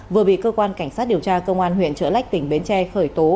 vừa bị cơ quan cảnh sát điều tra cơ quan huyện trở lách tỉnh bến tre khởi tố